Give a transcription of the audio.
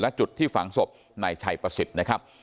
และจุดที่ฝังศพนายชัยประสิทธิ์นะครับ